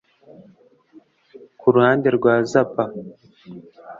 Ku ruhande rwa Zappa